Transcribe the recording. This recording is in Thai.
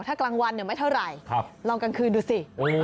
ถ้ากลางวันไม่เท่าไหร่ลองกลางคืนดูสิ